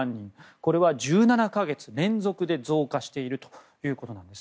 これは１７か月連続で増加しているということです。